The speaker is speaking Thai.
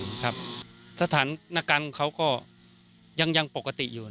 ได้จัดเตรียมความช่วยเหลือประบบพิเศษสี่ชน